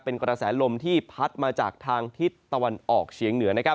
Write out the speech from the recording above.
เป็นการแสงลมที่พลัดปรุงจากทางทิศตะวันออกเชียงเหนือ